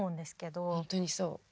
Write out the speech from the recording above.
本当にそう。